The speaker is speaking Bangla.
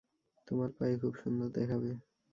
তোমার পায়ে খুব সুন্দর দেখাবে।